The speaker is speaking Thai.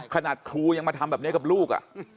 ขนาดครูยังมาทำแบบนี้กับลูก